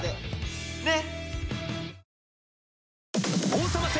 ねっ！